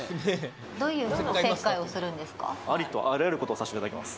どういうおせっかいをするんありとあらゆることをさせていただきます。